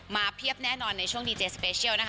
เพียบแน่นอนในช่วงดีเจสเปเชียลนะคะ